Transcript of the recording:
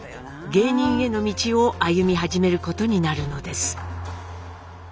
芸人への道を歩み始めることになるのです。